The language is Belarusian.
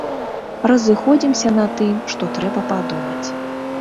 Разыходзімся на тым, што трэба падумаць.